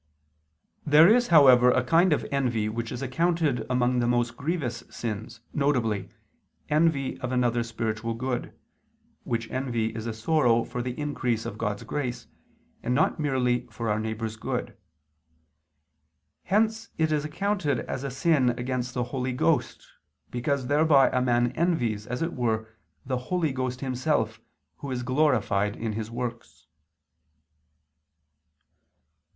There is, however, a kind of envy which is accounted among the most grievous sins, viz. envy of another's spiritual good, which envy is a sorrow for the increase of God's grace, and not merely for our neighbor's good. Hence it is accounted a sin against the Holy Ghost, because thereby a man envies, as it were, the Holy Ghost Himself, Who is glorified in His works.